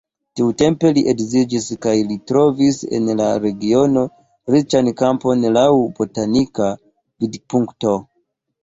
Tiutempe li edziĝis kaj li trovis en la regiono riĉan kampon laŭ botanika vidpunkto.